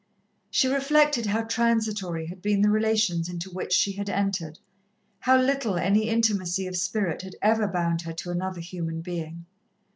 She reflected how transitory had been the relations into which she had entered, how little any intimacy of spirit had ever bound her to another human being.